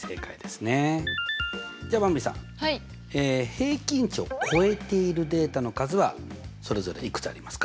平均値を超えているデータの数はそれぞれいくつありますか？